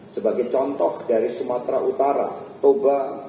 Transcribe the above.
sebagai contoh dari sumatera utara toba